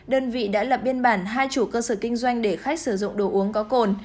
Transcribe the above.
đơn vị đã lập biên bản hai chủ cơ sở kinh doanh để khách sử dụng đồ uống có cồn